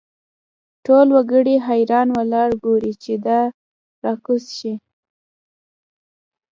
ټول وګړي حیران ولاړ ګوري چې ته را کوز شې.